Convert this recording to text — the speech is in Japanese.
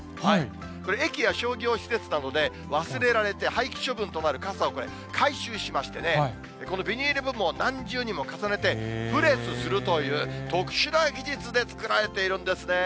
これ、駅や商業施設などで忘れられて廃棄処分となる傘をこれ、回収しましてね、このビニール部分を何重にも重ねてプレスするという、特殊な技術で作られているんですね。